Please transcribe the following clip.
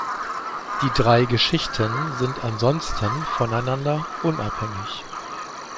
Die drei Geschichten sind ansonsten voneinander unabhängig.